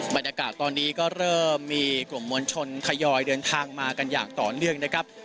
บรรยากาศตอนนี้ก็เริ่มมีกลุ่มมวลชนทยอยเดินทางมากันอย่างต่อเนื่องนะครับ